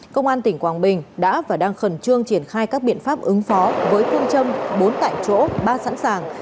công an tỉnh quảng bình đã và đang khẩn trương triển khai các biện pháp ứng phó với phương châm bốn tại chỗ ba sẵn sàng